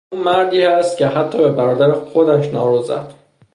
او مردی است که حتی به برادر خودش نارو زد.